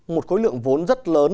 một khối lượng vốn rất lớn